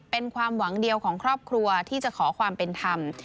เป็นความหวังเดียวของครอบครัวที่จะขอความเป็นธรรม